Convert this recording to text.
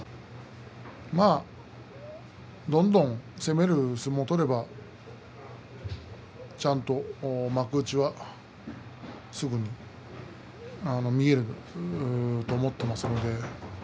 まあ、どんどん攻める相撲を取ればちゃんと幕内はすぐに見えると思っています。